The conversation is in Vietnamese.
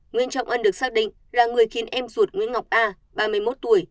nguyễn trọng ân được xác định là người khiến em ruột nguyễn ngọc a ba mươi một tuổi